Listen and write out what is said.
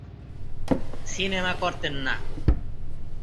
Cinema করতেন না।